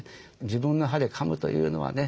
自分の歯でかむというのはね